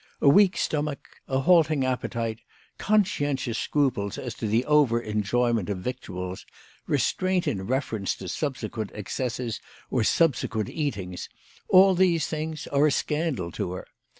A weak stomach, a halting appetite, conscientious scruples as to the over enjoyment of victuals, restraint in reference to sub sequent excesses or subsequent eatings, all these things are a scandal to her.